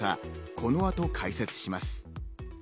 この後、解説します。